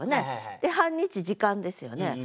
で「半日」時間ですよね。